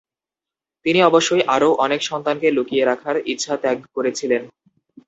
তিনি অবশ্যই আরও অনেক সন্তানকে লুকিয়ে রাখার ইচ্ছা ত্যাগ করেছিলেন।